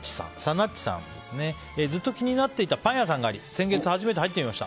ずっと気になっていたパン屋さんがあり先月初めて入ってみました。